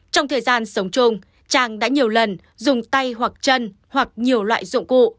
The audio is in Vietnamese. trong thời gian sống chung trang đã nhiều lần dùng tay hoặc chân hoặc nhiều loại dụng cụ